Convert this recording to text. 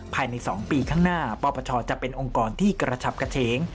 ภายใน๒ปีข้างหน้าปปชจะเป็นองค์กรที่กระชับกระเฉง